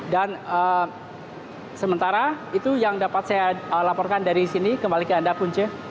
dan sementara itu yang dapat saya laporkan dari sini kembali ke anda punce